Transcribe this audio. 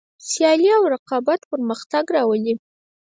سیالي او رقابت پرمختګ راولي.